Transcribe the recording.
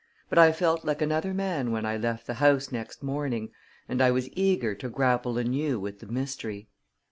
But I felt like another man when I left the house next morning, and I was eager to grapple anew with the mystery.